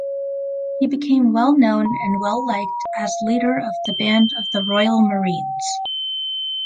He became well-known and well-liked as leader of the Band of the Royal Marines.